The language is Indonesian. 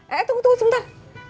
eh tunggu tunggu sebentar